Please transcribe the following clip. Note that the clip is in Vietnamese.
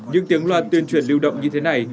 những tiếng loa tuyên truyền lưu động như thế này